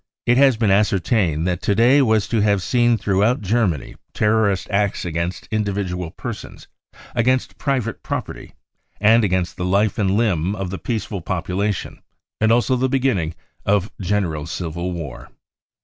It has been ascertained that to day was to have seen throughout Germany terrorist acts against .individual persons, against private property, and against the life and limb of the peaceful population, and also the beginning of general civil war.